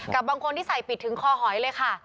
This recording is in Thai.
กับบางคนที่ใส่ปิดถึงคอหอยเลยค่ะ